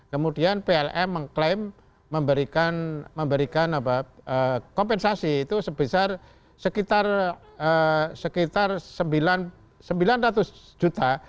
kemudian plm mengklaim memberikan kompensasi itu sebesar sekitar sembilan ratus juta